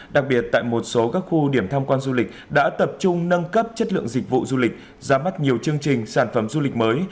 đặc biệt tại một số các khu điểm tham quan du lịch đã tập trung nâng cấp chất lượng dịch vụ du lịch ra mắt nhiều chương trình sản phẩm du lịch mới